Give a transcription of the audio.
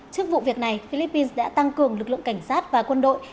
trước vụ việc này philippines đã tăng cường lực lượng cảnh sát và quân đội